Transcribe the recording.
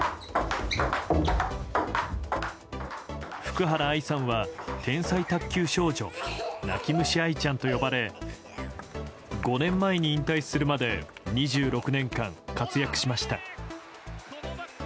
福原愛さんは天才卓球少女泣き虫愛ちゃんと呼ばれ５年前に引退するまで２６年間活躍しました。